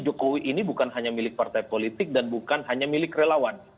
jokowi ini bukan hanya milik partai politik dan bukan hanya milik relawan